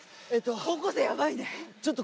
高校生ヤバいね。